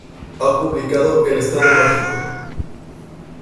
Ha publicado "El estado mágico.